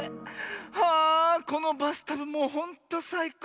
ああこのバスタブもうほんとさいこう。